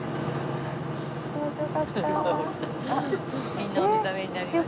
みんなお目覚めになりました。